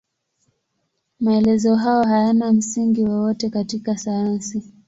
Maelezo hayo hayana msingi wowote katika sayansi.